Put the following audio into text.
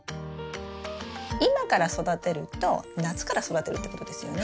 今から育てると夏から育てるってことですよね。